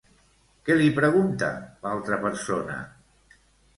Què li pregunta l'altra persona?